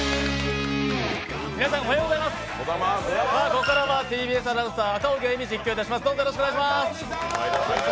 ここからはＴＢＳアナウンサー・赤荻歩実況いたします。